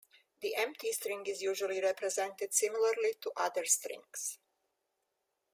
The empty string is usually represented similarly to other strings.